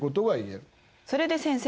それで先生。